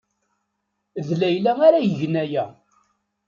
D Layla ara igen aya.